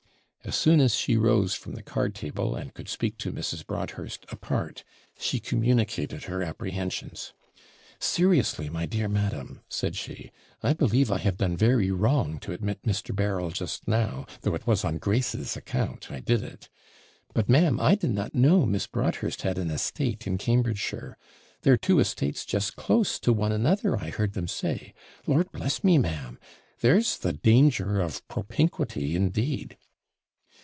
As soon as she rose from the card table, and could speak to Mrs. Broadhurst apart, she communicated her apprehensions. 'Seriously, my dear madam,' said she, 'I believe I have done very wrong to admit Mr. Berryl just now, though it was on Grace's account I did it. But, ma'am, I did not know Miss Broadhurst had an estate in Cambridgeshire; their two estates just close to one another, I heard them say. Lord bless me, ma'am! there's the danger of propinquity indeed!'